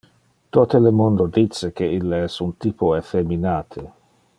Tote le mundo dice que ille es un typo effeminate.